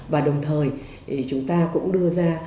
và đồng thời chúng ta cũng đưa ra